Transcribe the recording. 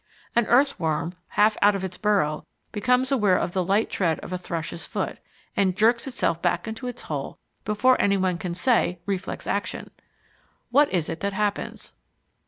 An earthworm half out of its burrow becomes aware of the light tread of a thrush's foot, and jerks itself back into its hole before anyone can say "reflex action." What is it that happens?